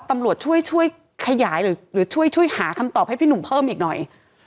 ตำรวจช่วยช่วยขยายหรือช่วยหาคำตอบให้พี่หนุ่มเพิ่มอีกหน่อย